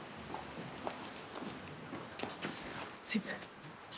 あっすいません。